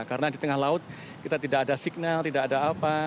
karena di tengah laut kita tidak ada signal tidak ada apa